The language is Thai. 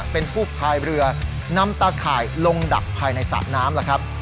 เป็นผู้สายเรือนำตาข่ายลงดับภายในสะน้ำ